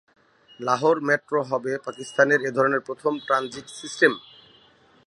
Lahore metro হবে পাকিস্তানের এ ধরনের প্রথম ট্রানজিট সিস্টেম।